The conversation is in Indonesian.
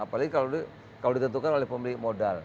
apalagi kalau ditentukan oleh pemilik modal